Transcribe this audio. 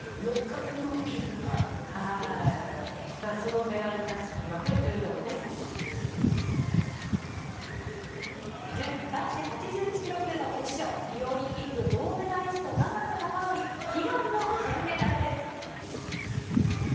さあ、そのメダルラッシュに男子８１キロ級の決勝、リオオリンピック銅メダリスト、永瀬貴規、悲願の金メダルです。